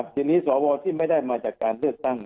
ทีนี้สวที่ไม่ได้มาจากการเลือกตั้ง